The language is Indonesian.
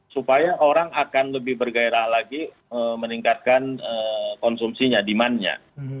supaya orang akan lebih bergairah lagi meningkatkan konsumsinya demandnya